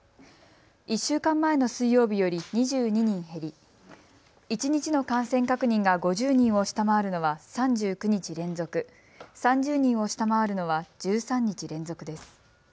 １週間前の水曜日より２２人減り、一日の感染確認が５０人を下回るのは３９日連続、３０人を下回るのは１３日連続です。